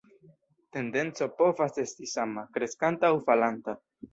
Tendenco povas esti sama, kreskanta aŭ falanta.